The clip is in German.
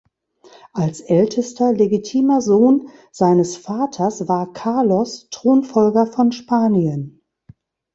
Als ältester legitimer Sohn seines Vaters war Carlos Thronfolger von Spanien.